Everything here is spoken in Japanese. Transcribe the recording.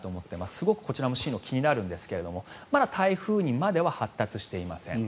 すごくこちらも進路気になるんですがまだ台風にまでは発達していません。